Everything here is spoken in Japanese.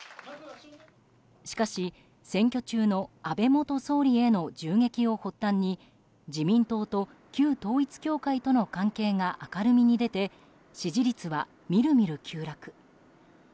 しかし、選挙中の安倍元総理への銃撃を発端に自民党と旧統一教会との関係が明るみに出て支持率は、みるみる急落。